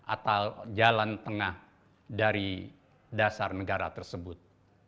atau jalan tengah dari dasar negara tersebut